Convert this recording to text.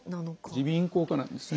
耳鼻咽喉科なんですね。